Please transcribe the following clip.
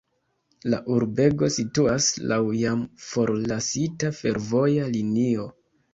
La urbego situas laŭ jam forlasita fervoja linio.